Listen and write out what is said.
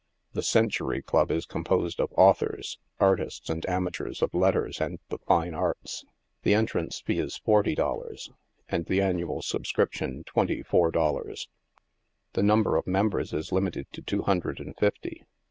" The Century Club is composed of authors, artists, and amateurs of letters and the fine arts. The entrance fee is forty dollars, and the annual subscription twenty four dollars. The number of mem bers is limited to two hundred and fifty.